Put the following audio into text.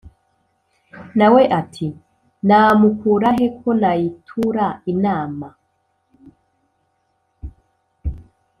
nawe ati"namukurahe ko nayitura inama